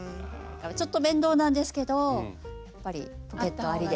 ちょっと面倒なんですけどやっぱりポケットありで。